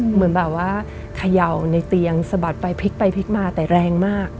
เหมือนแบบว่าเขย่าในเตียงสะบัดไปพลิกไปพลิกมาแต่แรงมาก